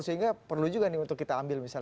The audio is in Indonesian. sehingga perlu juga nih untuk kita ambil misalnya